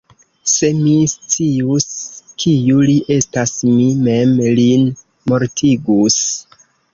Se mi scius, kiu li estas, mi mem lin mortigus!